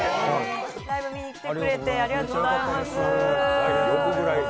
ライブ見に来てくれて、ありがとうございます。